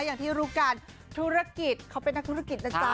อย่างที่รู้กันธุรกิจเขาเป็นนักธุรกิจนะจ๊ะ